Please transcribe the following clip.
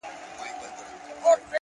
• خو ډېر ژر ښځه په سترګو نابینا سوه ,